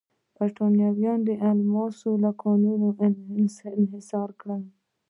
برېټانویانو د الماسو کانونه انحصار کړل.